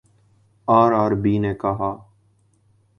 RRB نے کہا